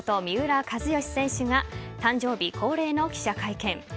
三浦知良選手が誕生日恒例の記者会見。